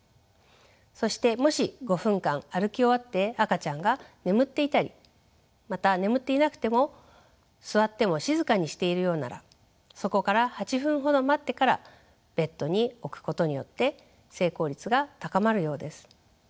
そしてもし５分間歩き終わって赤ちゃんが眠っていたりまた眠っていなくても座っても静かにしているようならそこから８分ほど待ってからベッドに置くことによって成功率が高まるようです。